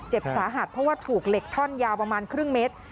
สาหัสเพราะว่าถูกเหล็กท่อนยาวประมาณครึ่งเมตร